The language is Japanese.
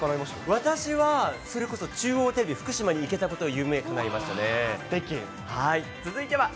私は、それこそ中央テレビ、福島に行けたこと、夢かないましたね。